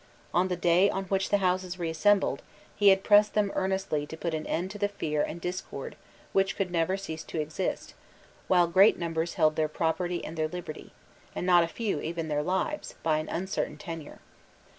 On the day on which the Houses reassembled, he had pressed them earnestly to put an end to the fear and discord which could never cease to exist, while great numbers held their property and their liberty, and not a few even their lives, by an uncertain tenure.